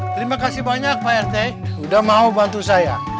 terima kasih banyak pak rt udah mau bantu saya